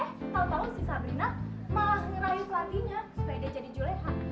eh tau tau si sabrina malas ngerayu pelatihnya supaya dia jadi juleha